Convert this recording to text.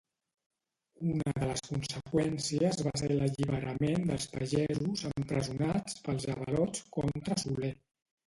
Una de les conseqüències va ser l'alliberament dels pagesos empresonats pels avalots contra Soler.